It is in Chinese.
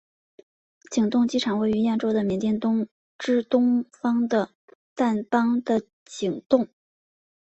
景栋机场位于亚洲的缅甸之东方的掸邦的景栋。